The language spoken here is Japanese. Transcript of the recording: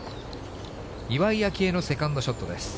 岩井明愛のセカンドショットです。